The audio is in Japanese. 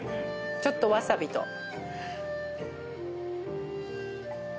ちょっとわさびと。